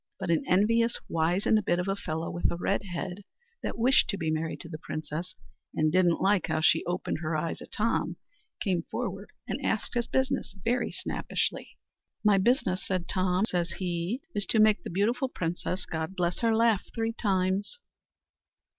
But an envious wizened bit of a fellow, with a red head, that wished to be married to the princess, and didn't like how she opened her eyes at Tom, came forward and asked his business very snappishly. "My business," said Tom, says he, "is to make the beautiful princess, God bless her, laugh three times."